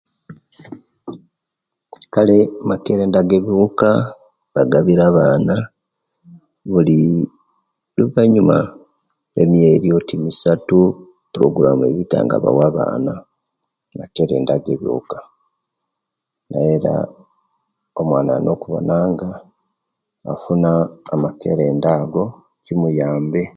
Kale amakerenda age biwuuka bagabire baana buli oluvanyuma lwamyezi oti misatu pologulamu ebita nga bawa baana makerenda gebiwuka era omwana ayinakubonanga afuuna amakerenda ago kimuyambe.